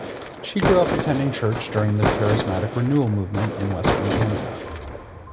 She grew up attending church during the charismatic renewal movement in Western Canada.